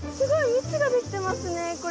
蜜ができてますねこれ。